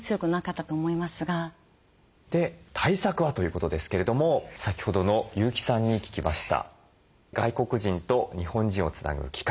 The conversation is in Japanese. で対策はということですけれども先ほどの結城さんに聞きました。